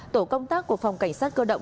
tổ công tác của phòng cảnh sát cơ động